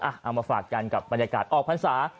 เอามาฝากกันกับบรรยากาศออกพรรษา